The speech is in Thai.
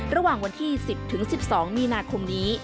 ระหว่างวันที่๑๐๑๒มีนาคมนี้